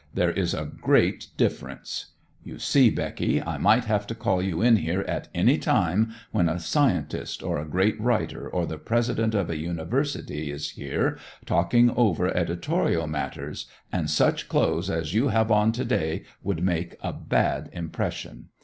There is a great difference. You see, Becky, I might have to call you in here at any time when a scientist or a great writer or the president of a university is here talking over editorial matters, and such clothes as you have on to day would make a bad impression.